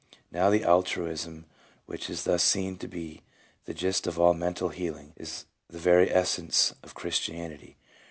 " Now the altruism which is thus seen to be the gist of all mental healing, is the very essence of Christianity.